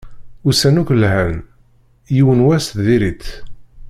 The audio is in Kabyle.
Ussan akk lhan, yiwen n wass dir-it.